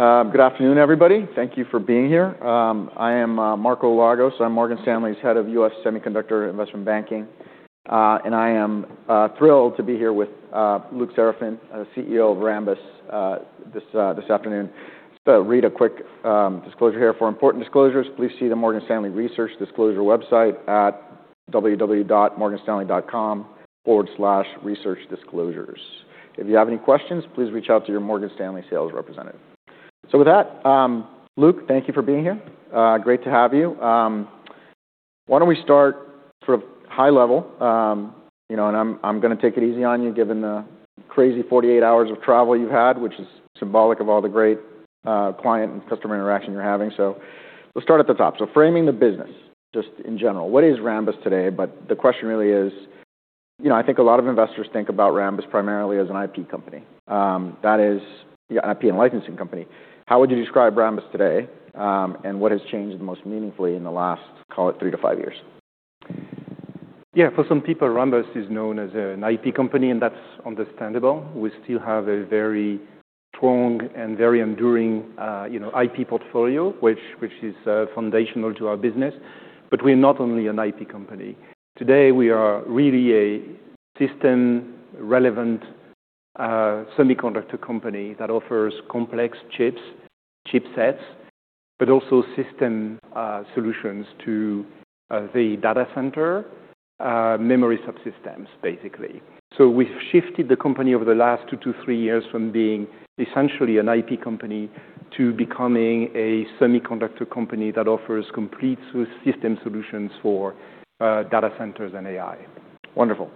All right. Good afternoon, everybody. Thank you for being here. I am Marco Lagos. I'm Morgan Stanley's Head of U.S. Semiconductor Investment Banking. I am thrilled to be here with Luc Seraphin, CEO of Rambus, this afternoon. Read a quick disclosure here. For important disclosures, please see the Morgan Stanley Research Disclosure website at www.morganstanley.com/researchdisclosures. If you have any questions, please reach out to your Morgan Stanley sales representative. With that, Luc, thank you for being here. Great to have you. Why don't we start sort of high level, you know, I'm gonna take it easy on you given the crazy 48 hours of travel you've had, which is symbolic of all the great client and customer interaction you're having. Let's start at the top. Framing the business, just in general, what is Rambus today? The question really is, you know, I think a lot of investors think about Rambus primarily as an IP company, that is IP and licensing company. How would you describe Rambus today, and what has changed the most meaningfully in the last, call it three to five years? Yeah. For some people, Rambus is known as an IP company. That's understandable. We still have a very strong and very enduring, you know, IP portfolio, which is foundational to our business. We're not only an IP company. Today, we are really a system-relevant semiconductor company that offers complex chips, chipsets, but also system solutions to the data center memory subsystems, basically. We've shifted the company over the last two to three years from being essentially an IP company to becoming a semiconductor company that offers complete system solutions for data centers and AI. Wonderful.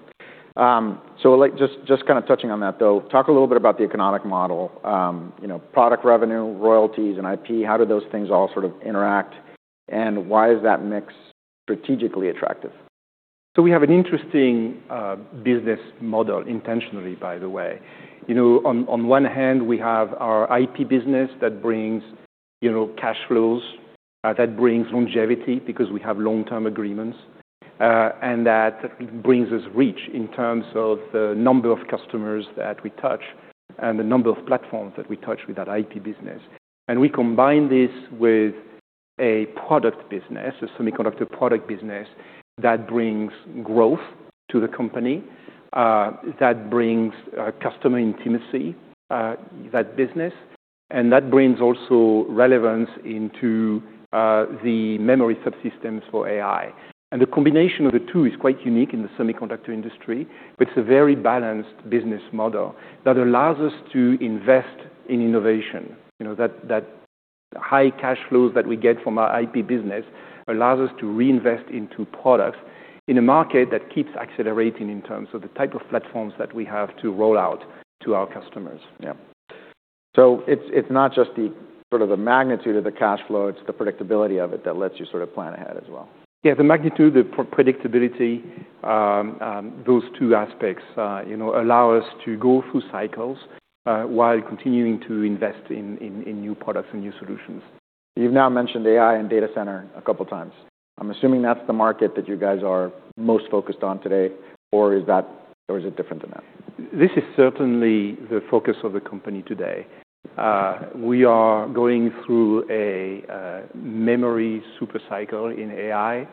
Like just kind of touching on that, though, talk a little bit about the economic model, you know, product revenue, royalties, and IP. How do those things all sort of interact, and why is that mix strategically attractive? We have an interesting business model intentionally, by the way. You know, on one hand, we have our IP business that brings, you know, cash flows, that brings longevity because we have long-term agreements, and that brings us reach in terms of the number of customers that we touch and the number of platforms that we touch with that IP business. We combine this with a product business, a semiconductor product business that brings growth to the company, that brings customer intimacy, that business, and that brings also relevance into the memory subsystems for AI. The combination of the two is quite unique in the semiconductor industry. It's a very balanced business model that allows us to invest in innovation. You know, that high cash flows that we get from our IP business allows us to reinvest into products in a market that keeps accelerating in terms of the type of platforms that we have to roll out to our customers. Yeah. It's not just the sort of the magnitude of the cash flow, it's the predictability of it that lets you sort of plan ahead as well. Yeah. The magnitude, the predictability, those two aspects, you know, allow us to go through cycles, while continuing to invest in new products and new solutions. You've now mentioned AI and data center a couple of times. I'm assuming that's the market that you guys are most focused on today or is it different than that? This is certainly the focus of the company today. We are going through a memory super cycle in AI.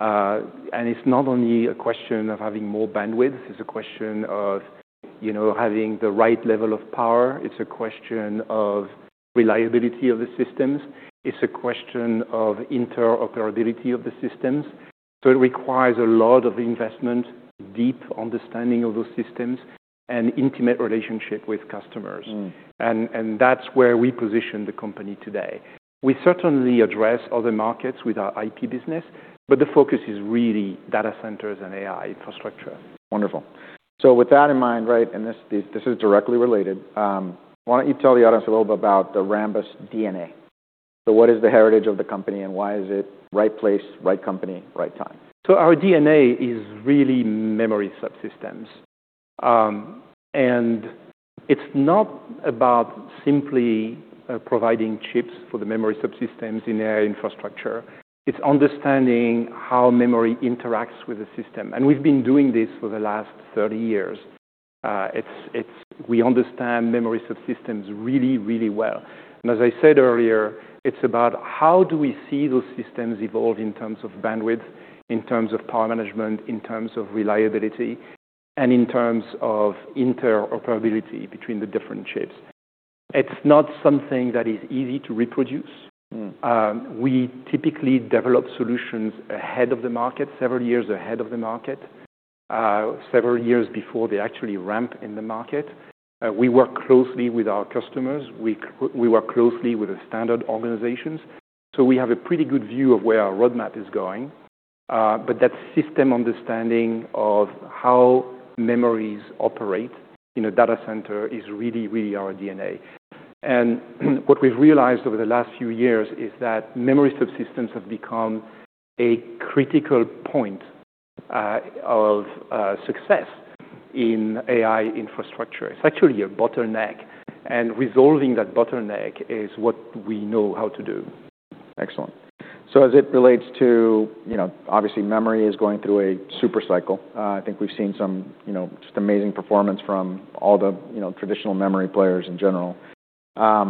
It's not only a question of having more bandwidth, it's a question of, you know, having the right level of power. It's a question of reliability of the systems. It's a question of interoperability of the systems. It requires a lot of investment, deep understanding of those systems, and intimate relationship with customers. Mm. That's where we position the company today. We certainly address other markets with our IP business, but the focus is really data centers and AI infrastructure. Wonderful. With that in mind, right, and this is, this is directly related, why don't you tell the audience a little bit about the Rambus DNA. What is the heritage of the company, and why is it right place, right company, right time? Our DNA is really memory subsystems. It's not about simply providing chips for the memory subsystems in AI infrastructure. It's understanding how memory interacts with the system. We've been doing this for the last 30 years. We understand memory subsystems really, really well. As I said earlier, it's about how do we see those systems evolve in terms of bandwidth, in terms of power management, in terms of reliability, and in terms of interoperability between the different chips. It's not something that is easy to reproduce. Mm. We typically develop solutions ahead of the market, several years ahead of the market, several years before they actually ramp in the market. We work closely with our customers. We work closely with the standard organizations. We have a pretty good view of where our roadmap is going. That system understanding of how memories operate in a data center is really our DNA. What we've realized over the last few years is that memory subsystems have become a critical point of success in AI infrastructure. It's actually a bottleneck, and resolving that bottleneck is what we know how to do. Excellent. As it relates to, you know, obviously memory is going through a super cycle. I think we've seen some, you know, just amazing performance from all the, you know, traditional memory players in general. How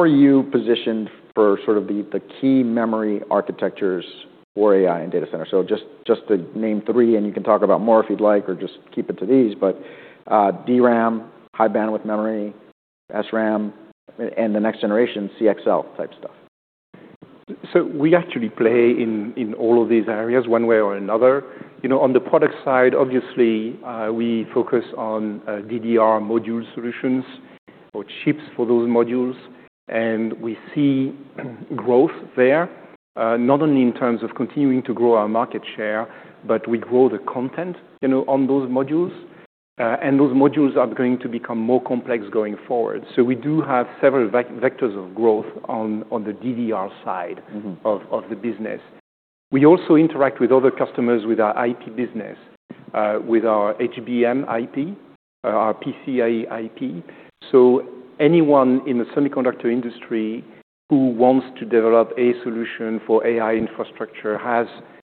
are you positioned for sort of the key memory architectures for AI and data center? Just to name three, and you can talk about more if you'd like, or just keep it to these, but, DRAM, high bandwidth memory, SRAM, and the next generation CXL type stuff. We actually play in all of these areas one way or another. You know, on the product side, obviously, we focus on DDR module solutions or chips for those modules. We see growth there, not only in terms of continuing to grow our market share, but we grow the content, you know, on those modules. Those modules are going to become more complex going forward. We do have several vectors of growth on the DDR side. Mm-hmm of the business. We also interact with other customers with our IP business, with our HBM IP, our PCIe IP. Anyone in the semiconductor industry who wants to develop a solution for AI infrastructure has,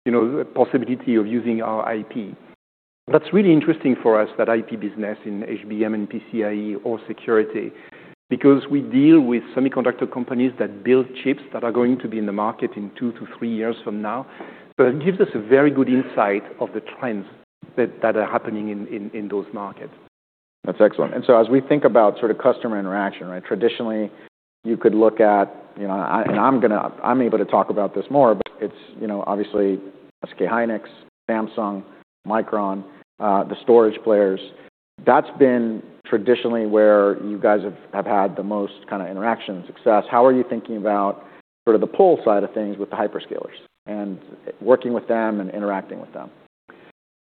you know, the possibility of using our IP. That's really interesting for us, that IP business in HBM and PCIe or security, because we deal with semiconductor companies that build chips that are going to be in the market in two to three years from now. It gives us a very good insight of the trends that are happening in those markets. That's excellent. As we think about sort of customer interaction, right? Traditionally, you could look at, you know, I'm able to talk about this more, but it's, you know, obviously SK hynix, Samsung, Micron, the storage players. That's been traditionally where you guys have had the most kinda interaction success. How are you thinking about sort of the pull side of things with the hyperscalers and working with them and interacting with them?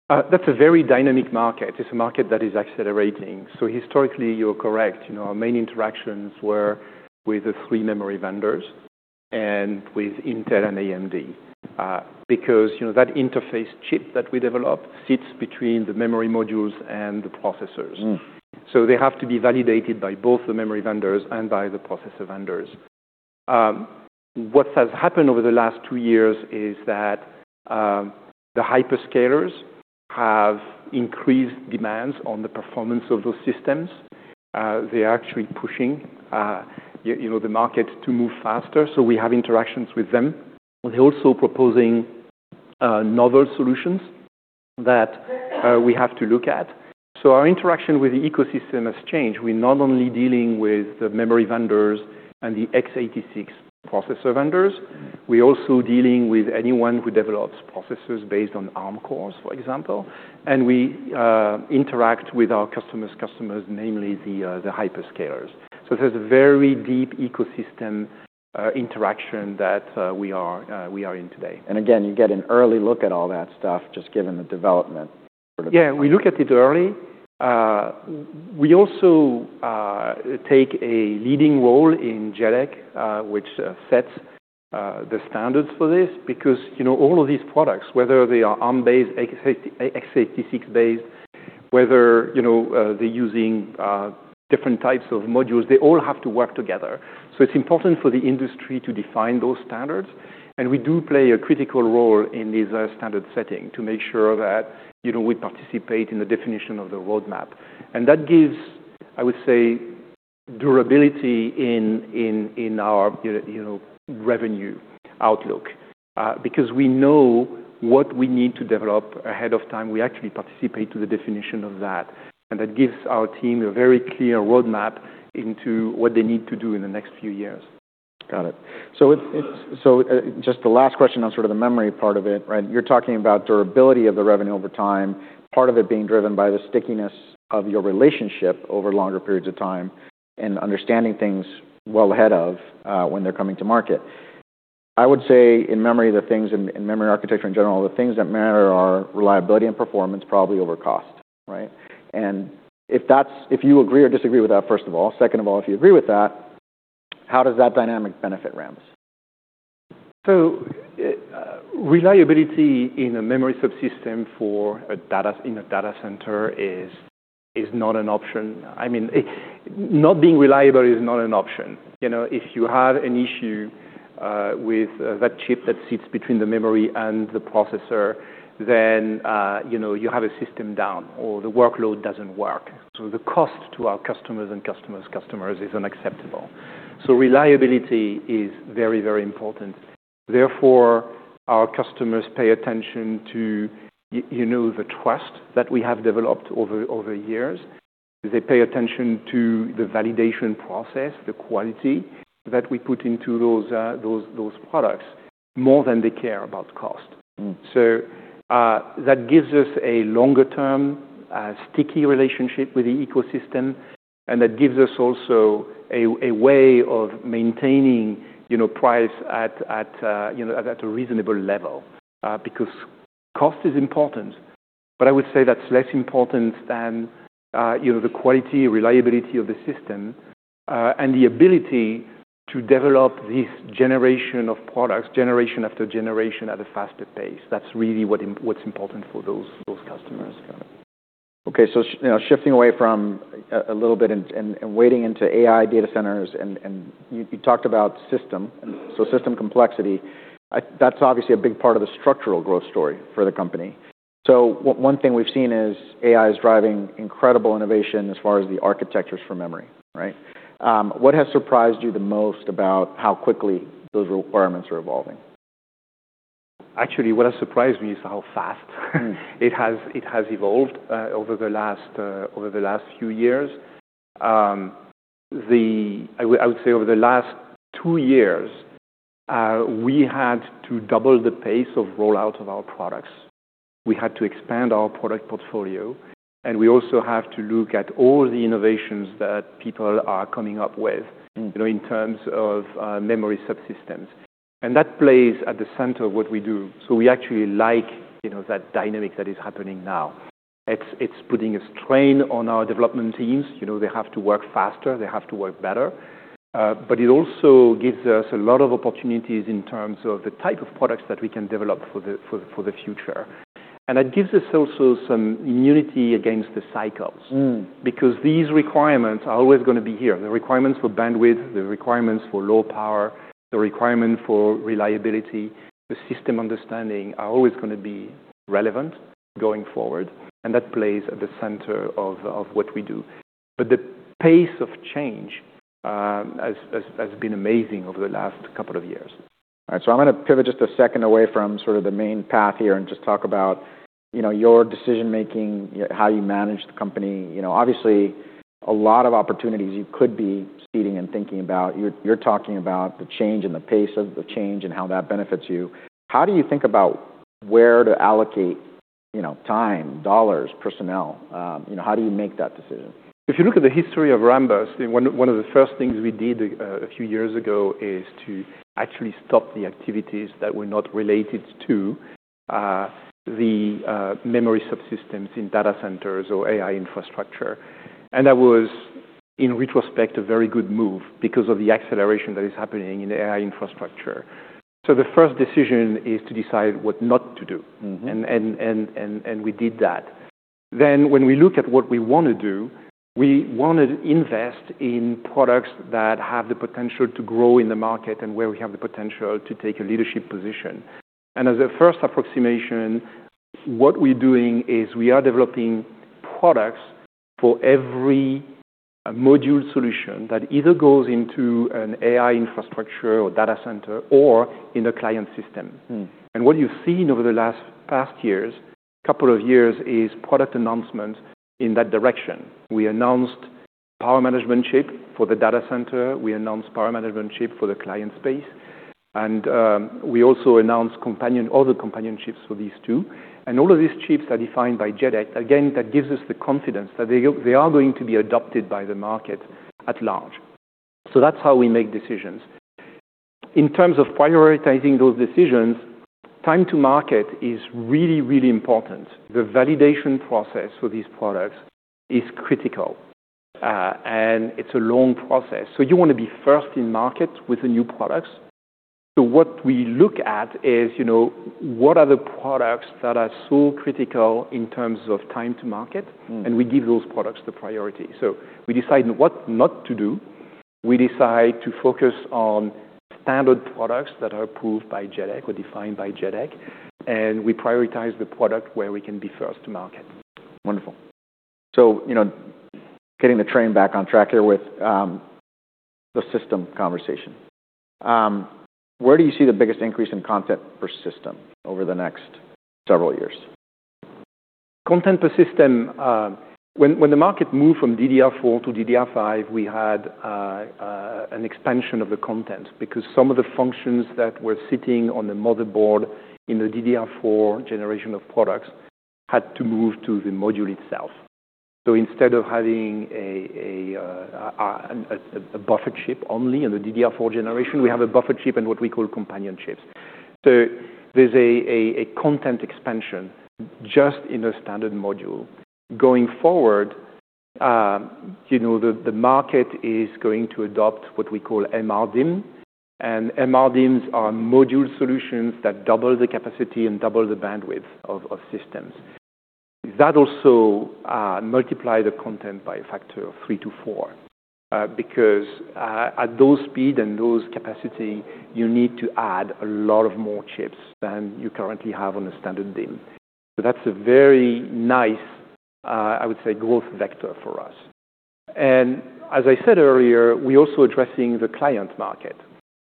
That's a very dynamic market. It's a market that is accelerating. Historically, you're correct. You know, our main interactions were with the three memory vendors and with Intel and AMD, because, you know, that interface chip that we develop sits between the memory modules and the processors. Mm. They have to be validated by both the memory vendors and by the processor vendors. What has happened over the last two years is that the hyperscalers have increased demands on the performance of those systems. They're actually pushing, you know, the market to move faster, we have interactions with them. They're also proposing novel solutions that we have to look at. Our interaction with the ecosystem has changed. We're not only dealing with the memory vendors and the x86 processor vendors, we're also dealing with anyone who develops processors based on ARM cores, for example, and we interact with our customers, namely the hyperscalers. There's a very deep ecosystem interaction that we are in today. again, you get an early look at all that stuff just given the development sort of. Yeah, we look at it early. We also take a leading role in JEDEC, which sets the standards for this because, you know, all of these products, whether they are ARM-based, x86-based, whether, you know, they're using different types of modules, they all have to work together. It's important for the industry to define those standards, and we do play a critical role in this standard setting to make sure that, you know, we participate in the definition of the roadmap. That gives, I would say, durability in our, you know, revenue outlook because we know what we need to develop ahead of time. We actually participate to the definition of that, and that gives our team a very clear roadmap into what they need to do in the next few years. Got it. Just the last question on sort of the memory part of it, right? You're talking about durability of the revenue over time, part of it being driven by the stickiness of your relationship over longer periods of time and understanding things well ahead of when they're coming to market. I would say in memory, the things in memory architecture in general, the things that matter are reliability and performance probably over cost, right? If you agree or disagree with that, first of all. Second of all, if you agree with that, how does that dynamic benefit Rambus? Reliability in a memory subsystem in a data center is not an option. I mean, not being reliable is not an option. You know, if you have an issue with that chip that sits between the memory and the processor, then you know, you have a system down or the workload doesn't work. The cost to our customers and customers is unacceptable. Reliability is very, very important. Therefore, our customers pay attention to you know, the trust that we have developed over years. They pay attention to the validation process, the quality that we put into those products more than they care about cost. Mm. That gives us a longer term, sticky relationship with the ecosystem, and that gives us also a way of maintaining, you know, price at, you know, at a reasonable level, because cost is important. I would say that's less important than, you know, the quality, reliability of the system, and the ability to develop this generation of products, generation after generation at a faster pace. That's really what's important for those customers. Okay. You know, shifting away from a little bit and wading into AI data centers and you talked about system complexity. That's obviously a big part of the structural growth story for the company. One thing we've seen is AI is driving incredible innovation as far as the architectures for memory, right? What has surprised you the most about how quickly those requirements are evolving? Actually, what has surprised me is how fast it has evolved over the last over the last few years. I would say over the last two years, we had to double the pace of rollout of our products. We had to expand our product portfolio, we also have to look at all the innovations that people are coming up with. Mm-hmm... you know, in terms of memory subsystems. That plays at the center of what we do. We actually like, you know, that dynamic that is happening now. It's putting a strain on our development teams. You know, they have to work faster, they have to work better. It also gives us a lot of opportunities in terms of the type of products that we can develop for the future. It gives us also some immunity against the cycles. Mm. These requirements are always gonna be here. The requirements for bandwidth, the requirements for low power, the requirement for reliability, the system understanding are always gonna be relevant going forward, and that plays at the center of what we do. The pace of change has been amazing over the last couple of years. All right. I'm gonna pivot just a second away from sort of the main path here and just talk about, you know, your decision-making, how you manage the company. You know, obviously a lot of opportunities you could be seeding and thinking about. You're talking about the change and the pace of the change and how that benefits you. How do you think about where to allocate, you know, time, dollars, personnel? You know, how do you make that decision? If you look at the history of Rambus, one of the first things we did, a few years ago is to actually stop the activities that were not related to the memory subsystems in data centers or AI infrastructure. That was, in retrospect, a very good move because of the acceleration that is happening in AI infrastructure. The first decision is to decide what not to do. Mm-hmm. We did that. When we look at what we wanna do, we wanna invest in products that have the potential to grow in the market and where we have the potential to take a leadership position. As a first approximation, what we're doing is we are developing products for every module solution that either goes into an AI infrastructure or data center or in a client system. Mm. What you've seen over the past years, two years, is product announcements in that direction. We announced power management chip for the data center. We announced power management chip for the client space. We also announced other companion chips for these two. All of these chips are defined by JEDEC. Again, that gives us the confidence that they are going to be adopted by the market at large. That's how we make decisions. In terms of prioritizing those decisions, time to market is really important. The validation process for these products is critical, and it's a long process. You wanna be first in market with the new products. What we look at is, you know, what are the products that are so critical in terms of time to market- Mm We give those products the priority. We decide what not to do. We decide to focus on standard products that are approved by JEDEC or defined by JEDEC, and we prioritize the product where we can be first to market. Wonderful. you know, getting the train back on track here with the system conversation. Where do you see the biggest increase in content per system over the next several years? Content per system, when the market moved from DDR4 to DDR5, we had an expansion of the content because some of the functions that were sitting on the motherboard in the DDR4 generation of products had to move to the module itself. Instead of having a buffered chip only in the DDR4 generation, we have a buffered chip and what we call companion chips. There's a content expansion just in the standard module. Going forward, you know, the market is going to adopt what we call MRDIMM. MRDIMMs are module solutions that double the capacity and double the bandwidth of systems. That also multiply the content by a factor of three to four, because at those speed and those capacity, you need to add a lot of more chips than you currently have on a standard DIMM. That's a very nice, I would say, growth vector for us. As I said earlier, we're also addressing the client market,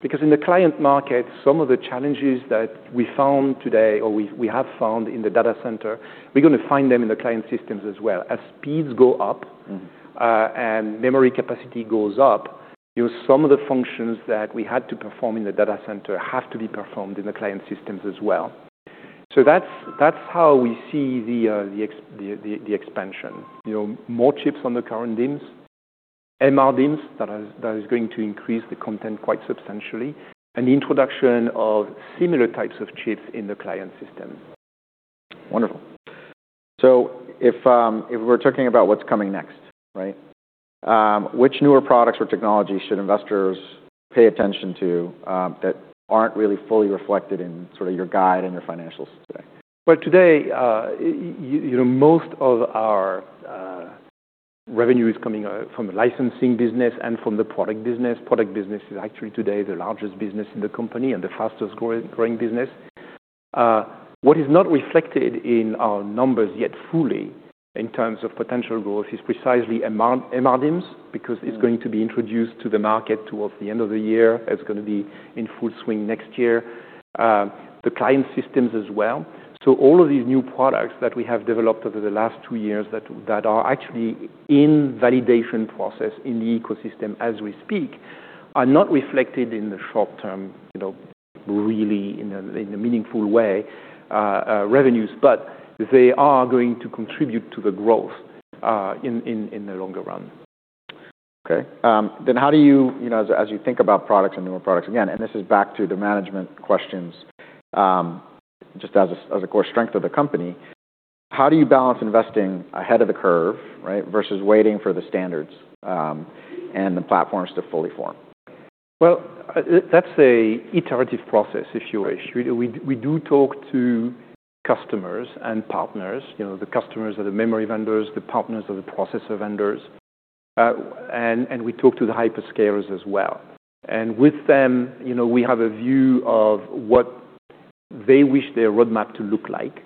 because in the client market, some of the challenges that we found today or we have found in the data center, we're gonna find them in the client systems as well. As speeds go up. Mm-hmm and memory capacity goes up, you know, some of the functions that we had to perform in the data center have to be performed in the client systems as well. That's how we see the expansion. You know, more chips on the current DIMMs, MRDIMMs, that is going to increase the content quite substantially, and the introduction of similar types of chips in the client system. Wonderful. If we're talking about what's coming next, right? Which newer products or technologies should investors pay attention to, that aren't really fully reflected in sort of your guide and your financials today? Well, today, you know, most of our revenue is coming from the licensing business and from the product business. Product business is actually today the largest business in the company and the fastest growing business. What is not reflected in our numbers yet fully in terms of potential growth is precisely MRDIMMs because it's going to be introduced to the market towards the end of the year. It's gonna be in full swing next year. The client systems as well. All of these new products that we have developed over the last two years that are actually in validation process in the ecosystem as we speak, are not reflected in the short term, you know, really in a meaningful way, revenues. They are going to contribute to the growth in the longer run. Okay. How do you know, as you think about products and newer products, again. This is back to the management questions, just as a, as a core strength of the company, how do you balance investing ahead of the curve, right, versus waiting for the standards, and the platforms to fully form? Well, that's a iterative process, if you wish. We do talk to customers and partners. You know, the customers are the memory vendors, the partners are the processor vendors. We talk to the hyperscalers as well. With them, you know, we have a view of what they wish their roadmap to look like.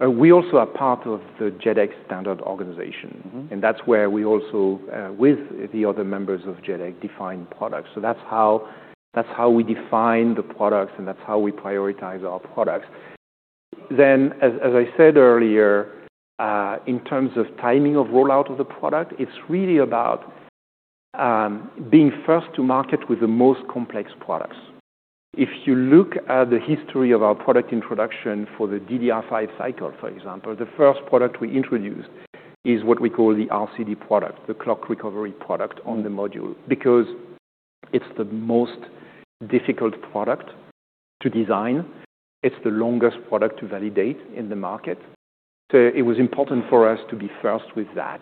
We also are part of the JEDEC standard organization. Mm-hmm. That's where we also, with the other members of JEDEC, define products. That's how, that's how we define the products and that's how we prioritize our products. As I said earlier, in terms of timing of rollout of the product, it's really about being first to market with the most complex products. If you look at the history of our product introduction for the DDR5 cycle, for example, the first product we introduced is what we call the RCD product, the clock recovery product on the module. It's the most difficult product to design, it's the longest product to validate in the market. It was important for us to be first with that.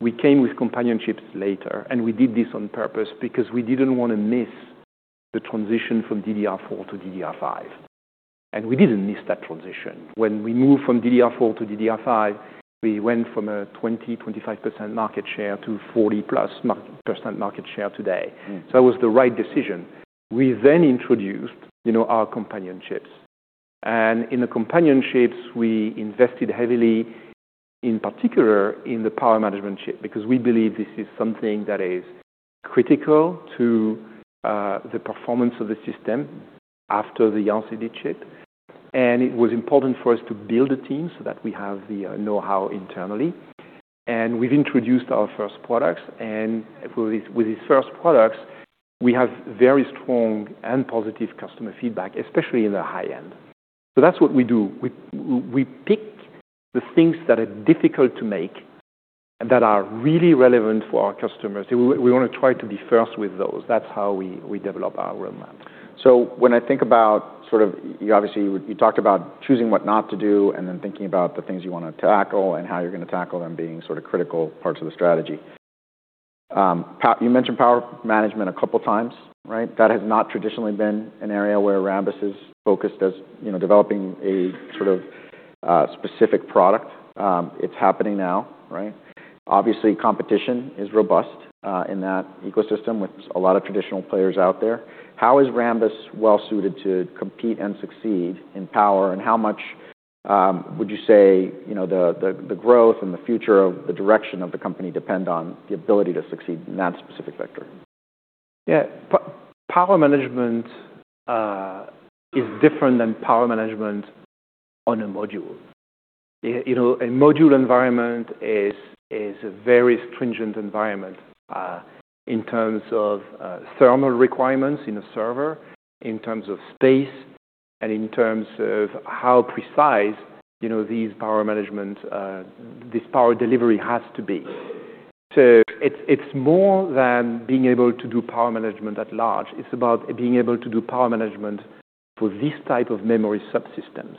We came with companion chips later, and we did this on purpose because we didn't want to miss the transition from DDR4 to DDR5, and we didn't miss that transition. When we moved from DDR4 to DDR5, we went from a 20, 25% market share to 40 plus % market share today. Hmm. It was the right decision. We then introduced, you know, our companion chips. In the companion chips, we invested heavily, in particular in the power management chip, because we believe this is something that is critical to the performance of the system after the RCD chip. It was important for us to build a team so that we have the know-how internally. We've introduced our first products, and with these first products, we have very strong and positive customer feedback, especially in the high-end. That's what we do. We pick the things that are difficult to make and that are really relevant for our customers. We wanna try to be first with those. That's how we develop our roadmap. When I think about choosing what not to do and then thinking about the things you wanna tackle and how you're gonna tackle them being sort of critical parts of the strategy. You mentioned power management a couple times, right? That has not traditionally been an area where Rambus is focused as, you know, developing a sort of specific product. It's happening now, right? Obviously, competition is robust in that ecosystem with a lot of traditional players out there. How is Rambus well suited to compete and succeed in power, and how much would you say, you know, the growth and the future of the direction of the company depend on the ability to succeed in that specific vector? Power management is different than power management on a module. You know, a module environment is a very stringent environment in terms of thermal requirements in a server, in terms of space, and in terms of how precise, you know, these power management, this power delivery has to be. It's more than being able to do power management at large. It's about being able to do power management for these type of memory subsystems.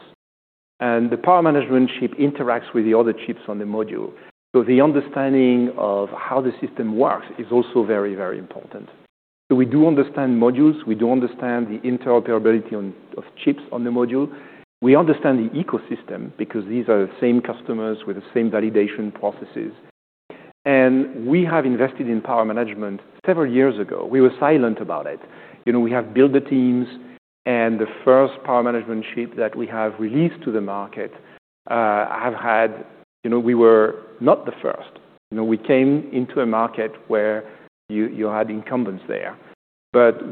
The power management chip interacts with the other chips on the module. The understanding of how the system works is also very important. We do understand modules. We do understand the interoperability of chips on the module. We understand the ecosystem because these are the same customers with the same validation processes. We have invested in power management several years ago. We were silent about it. You know, we have built the teams. The first power management chip that we have released to the market. You know, we were not the first. You know, we came into a market where you had incumbents there.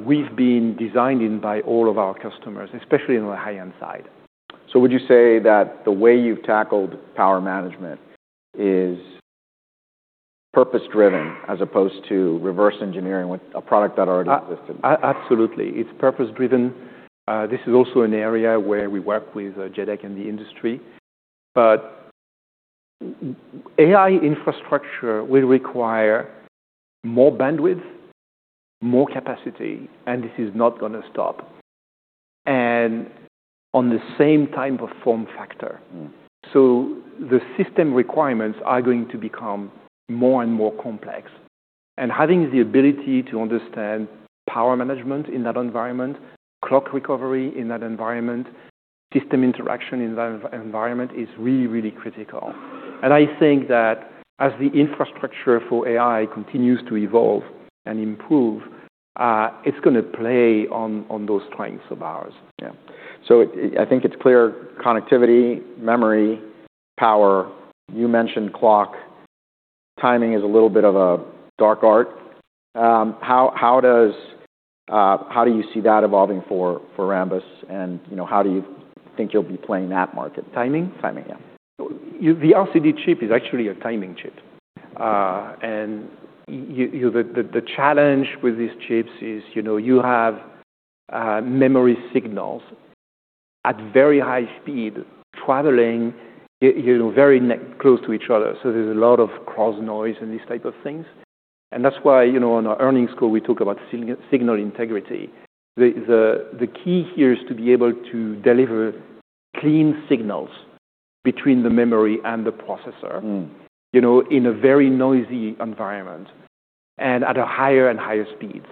We've been designed in by all of our customers, especially on the high-end side. Would you say that the way you've tackled power management is purpose-driven as opposed to reverse engineering with a product that already existed? Absolutely. It's purpose-driven. This is also an area where we work with, JEDEC and the industry. AI infrastructure will require more bandwidthMore capacity, and this is not gonna stop. On the same type of form factor. Mm. The system requirements are going to become more and more complex. Having the ability to understand power management in that environment, clock recovery in that environment, system interaction in that environment is really critical. I think that as the infrastructure for AI continues to evolve and improve, it's gonna play on those strengths of ours. I think it's clear connectivity, memory, power, you mentioned clock. Timing is a little bit of a dark art. How do you see that evolving for Rambus and, you know, how do you think you'll be playing that market? Timing? Timing, yeah. The RCD chip is actually a timing chip. The challenge with these chips is, you know, you have memory signals at very high speed traveling, you know, very close to each other. There's a lot of cross-noise and these type of things. That's why, you know, on our earnings call, we talk about signal integrity. The key here is to be able to deliver clean signals between the memory and the processor. Mm. You know, in a very noisy environment and at a higher and higher speeds.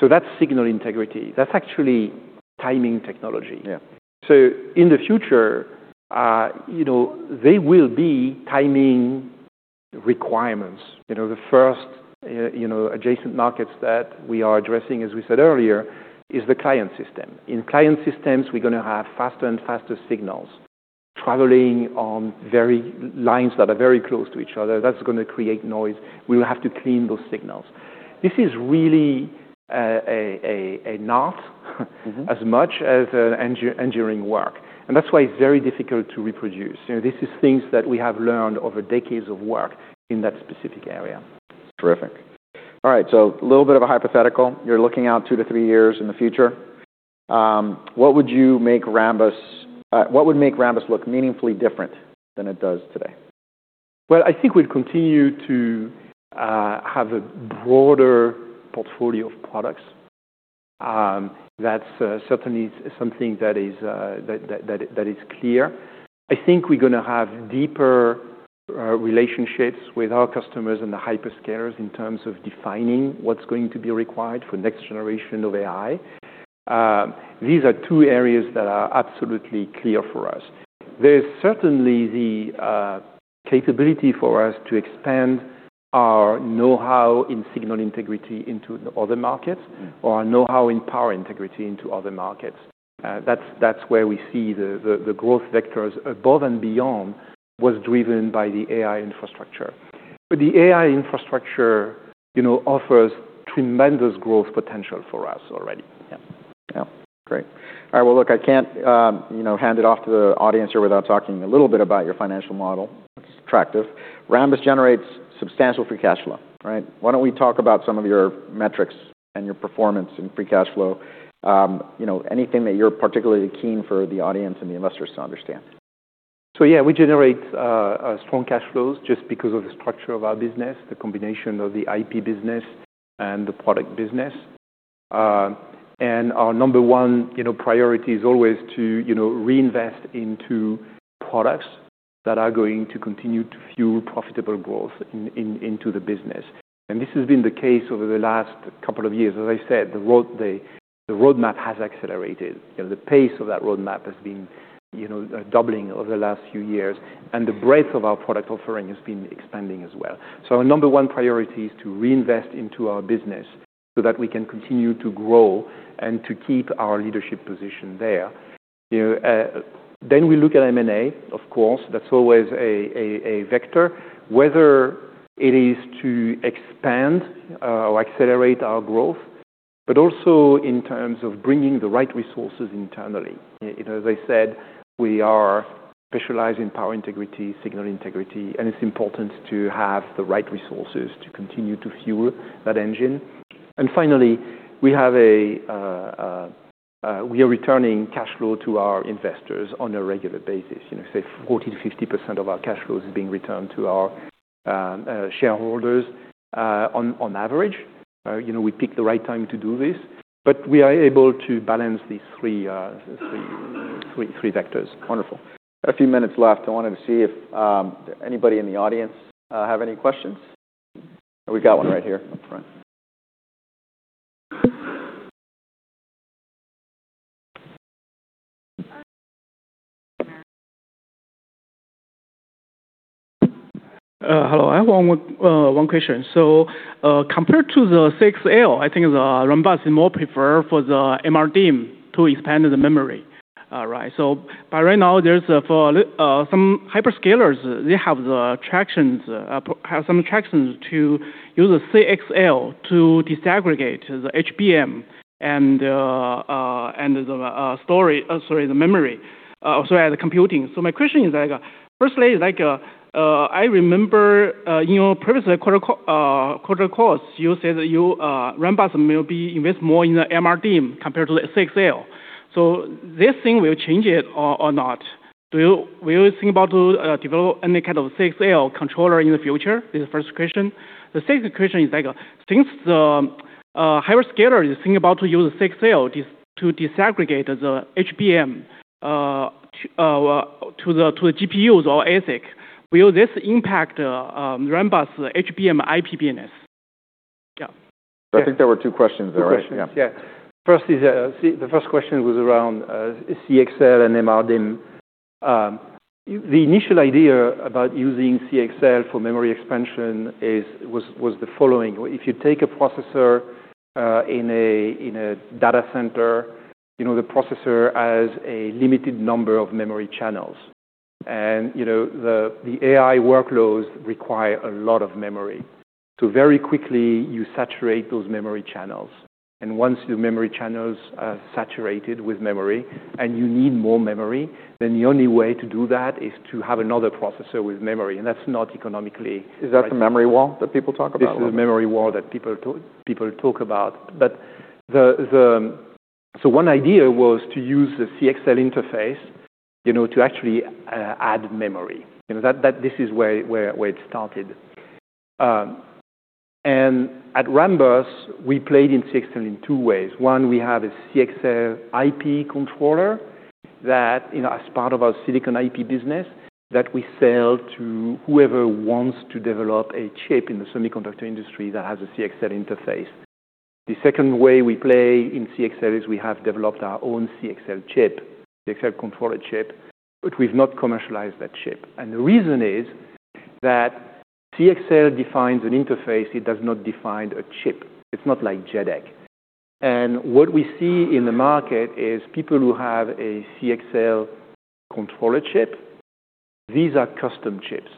That's signal integrity. That's actually timing technology. Yeah. In the future, you know, there will be timing requirements. You know, the first, you know, adjacent markets that we are addressing, as we said earlier, is the client system. In client systems, we're gonna have faster and faster signals traveling on lines that are very close to each other. That's gonna create noise. We will have to clean those signals. This is really an art. Mm-hmm. as much as, engineering work. That's why it's very difficult to reproduce. You know, this is things that we have learned over decades of work in that specific area. Terrific. All right, a little bit of a hypothetical. You're looking out two to three years in the future. What would make Rambus look meaningfully different than it does today? Well, I think we'd continue to have a broader portfolio of products. That's certainly something that is clear. I think we're gonna have deeper relationships with our customers and the hyperscalers in terms of defining what's going to be required for next generation of AI. These are two areas that are absolutely clear for us. There's certainly the capability for us to expand our know-how in signal integrity into other markets. Mm. Our know-how in power integrity into other markets. That's where we see the growth vectors above and beyond what's driven by the AI infrastructure. The AI infrastructure, you know, offers tremendous growth potential for us already. Yeah. Yeah. Great. All right, well, look, I can't, you know, hand it off to the audience here without talking a little bit about your financial model. It's attractive. Rambus generates substantial free cash flow, right? Why don't we talk about some of your metrics and your performance in free cash flow? You know, anything that you're particularly keen for the audience and the investors to understand. Yeah, we generate strong cash flows just because of the structure of our business, the combination of the IP business and the product business. Our number one, you know, priority is always to, you know, reinvest into products that are going to continue to fuel profitable growth into the business. This has been the case over the last couple of years. As I said, the roadmap has accelerated. You know, the pace of that roadmap has been, you know, doubling over the last few years, and the breadth of our product offering has been expanding as well. Our number one priority is to reinvest into our business so that we can continue to grow and to keep our leadership position there. You know, we look at M&A, of course. That's always a vector, whether it is to expand or accelerate our growth, but also in terms of bringing the right resources internally. You know, as I said, we are specialized in power integrity, signal integrity, and it's important to have the right resources to continue to fuel that engine. Finally, we are returning cash flow to our investors on a regular basis. You know, say 40% to 50% of our cash flows is being returned to our shareholders on average. You know, we pick the right time to do this, but we are able to balance these three vectors. Wonderful. A few minutes left. I wanted to see if anybody in the audience have any questions. We've got one right here up front. Hello. I have one question. Compared to the CXL, I think the Rambus is more preferred for the MRDIMM to expand the memory. Right. Right now there's for some hyperscalers, they have some attractions to use a CXL to disaggregate the HBM and the computing. My question is like, firstly, like, I remember, you know, previously quarter quarters, you said that Rambus may be invest more in the MRDIMM compared to the CXL. This thing will change it or not? Will you think about to develop any kind of CXL controller in the future? This is the first question. The second question is, since the hyperscaler is thinking about to use CXL to disaggregate the HBM to the GPUs or ASIC, will this impact Rambus HBM IP business? Yeah. I think there were two questions there. Two questions. Yeah. Yeah. First is, the first question was around CXL and MRDIMM. The initial idea about using CXL for memory expansion was the following. If you take a processor in a data center, you know, the processor has a limited number of memory channels. You know, the AI workloads require a lot of memory. Very quickly you saturate those memory channels. Once your memory channels are saturated with memory and you need more memory, the only way to do that is to have another processor with memory. That's not economically right. Is that the memory wall that people talk about? This is the memory wall that people talk about. One idea was to use the CXL interface, you know, to actually add memory. You know, that this is where it started. At Rambus, we played in CXL in two ways. One, we have a CXL IP controller that, you know, as part of our silicon IP business, that we sell to whoever wants to develop a chip in the semiconductor industry that has a CXL interface. The second way we play in CXL is we have developed our own CXL chip, CXL controller chip, but we've not commercialized that chip. The reason is that CXL defines an interface, it does not define a chip. It's not like JEDEC. What we see in the market is people who have a CXL controller chip. These are custom chips.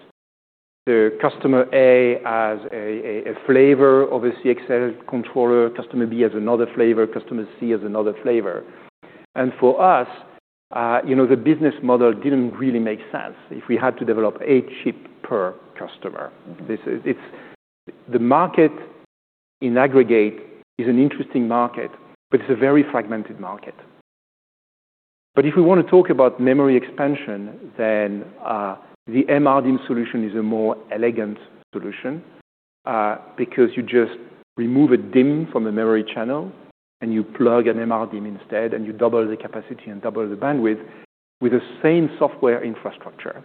Customer A has a flavor of a CXL controller, customer B has another flavor, customer C has another flavor. For us, you know, the business model didn't really make sense if we had to develop a chip per customer. The market in aggregate is an interesting market, but it's a very fragmented market. If we wanna talk about memory expansion, the MRDIM solution is a more elegant solution, because you just remove a DIMM from the memory channel, and you plug an MRDIM instead, and you double the capacity and double the bandwidth with the same software infrastructure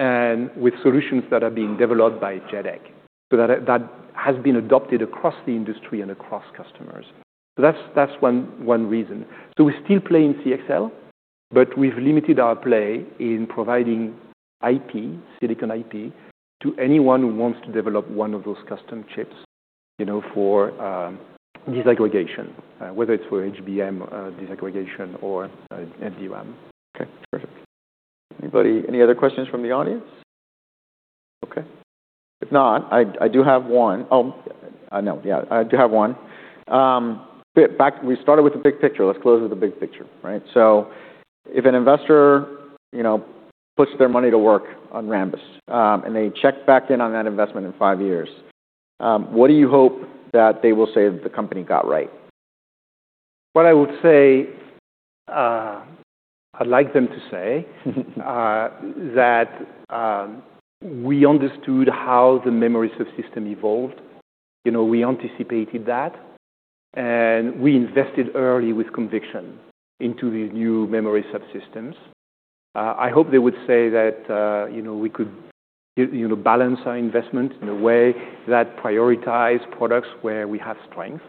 and with solutions that are being developed by JEDEC. That has been adopted across the industry and across customers. That's one reason. We still play in CXL, but we've limited our play in providing IP, silicon IP, to anyone who wants to develop one of those custom chips, you know, for disaggregation, whether it's for HBM disaggregation or NVDIMM. Okay, perfect. Any other questions from the audience? Okay. If not, I do have one. No. Yeah, I do have one. Back, we started with the big picture. Let's close with the big picture, right? If an investor, you know, puts their money to work on Rambus, and they check back in on that investment in five years, what do you hope that they will say the company got right? What I would say, I'd like them to say that we understood how the memory subsystem evolved. You know, we anticipated that, and we invested early with conviction into the new memory subsystems. I hope they would say that, you know, we could, you know, balance our investment in a way that prioritize products where we have strength.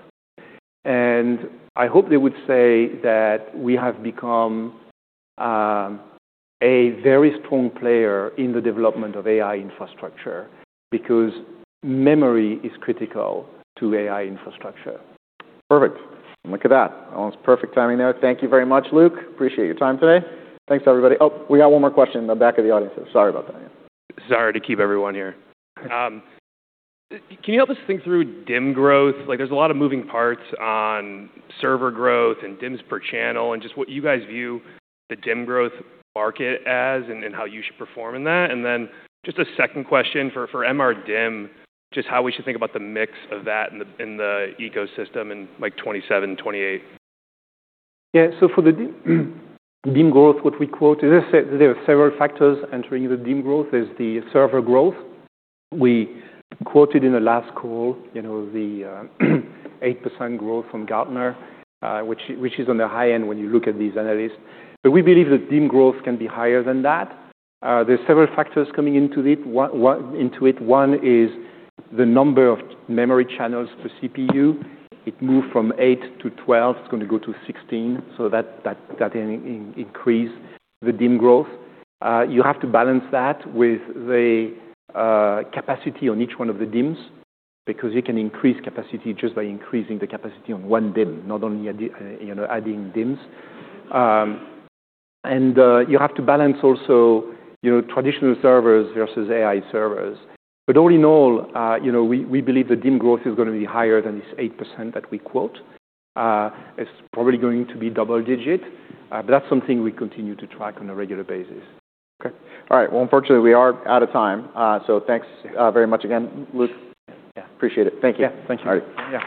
I hope they would say that we have become a very strong player in the development of AI infrastructure because memory is critical to AI infrastructure. Perfect. Look at that. Almost perfect timing there. Thank you very much, Luc. Appreciate your time today. Thanks, everybody. Oh, we got one more question in the back of the audience. Sorry about that. Sorry to keep everyone here. Can you help us think through DIMM growth? Like, there's a lot of moving parts on server growth and DIMMs per channel and just what you guys view the DIMM growth market as and how you should perform in that. Just a second question for MRDIMM, just how we should think about the mix of that in the ecosystem in like 2027, 2028. Yeah. For the DIMM growth, what we quoted, as I said, there are several factors entering the DIMM growth. There's the server growth. We quoted in the last call, you know, the 8% growth from Gartner, which is on the high end when you look at these analysts. We believe that DIMM growth can be higher than that. There are several factors coming into it. One is the number of memory channels per CPU. It moved from eight to 12, it's gonna go to 16. That increase the DIMM growth. You have to balance that with the capacity on each one of the DIMMs because you can increase capacity just by increasing the capacity on one DIMM, not only add, you know, adding DIMMs. You have to balance also, you know, traditional servers versus AI servers. All in all, you know, we believe the DIMM growth is going to be higher than this 8% that we quote. It's probably going to be double digit, but that's something we continue to track on a regular basis. Okay. All right. Well, unfortunately, we are out of time. Thanks, very much again, Luc. Yeah. Appreciate it. Thank you. Yeah. Thank you. All right. Yeah.